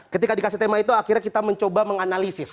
ketika dikasih tema itu akhirnya kita mencoba menganalisis